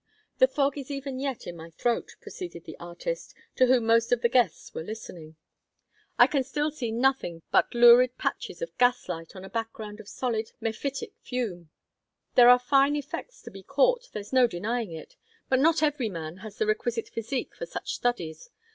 "The fog is even yet in my throat," proceeded the artist, to whom most of the guests were listening. "I can still see nothing but lurid patches of gaslight on a background of solid mephitic fume. There are fine effects to be caught, there's no denying it; but not every man has the requisite physique for such studies.